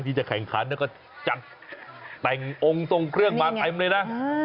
ที่จะแข่งขันแล้วก็จัดแต่งองค์ทรงเครื่องมาเต็มเลยนะ